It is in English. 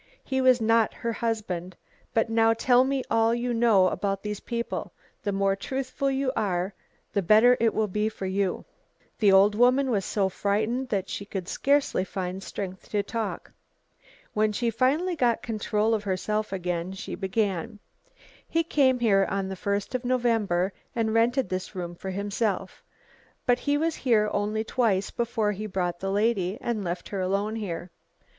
"He was not her husband. But now tell me all you know about these people; the more truthful you are the better it will be for you." The old woman was so frightened that she could scarcely find strength to talk. When she finally got control of herself again she began: "He came here on the first of November and rented this room for himself. But he was here only twice before he brought the lady and left her alone here.